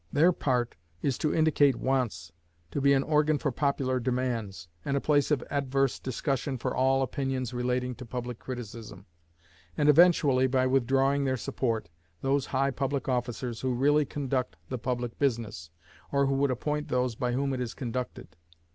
Their part is to indicate wants, to be an organ for popular demands, and a place of adverse discussion for all opinions relating to public matters, both great and small; and, along with this, to check by criticism, and eventually by withdrawing their support, those high public officers who really conduct the public business, or who appoint those by whom it is conducted.